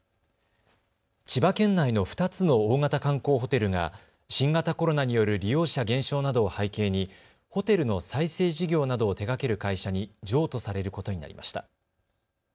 千葉県内の２つの大型観光ホテルが新型コロナによる利用者減少などを背景にホテルの再生事業などを手がける会社に譲渡されることになりました。